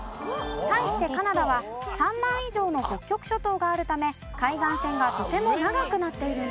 対してカナダは３万以上の北極諸島があるため海岸線がとても長くなっているんです。